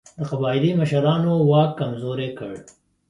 د قبایلي مشرانو واک کمزوری کړ.